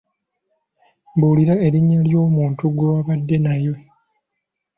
Mbulira erinya ly'omuntu gwe wabadde naye.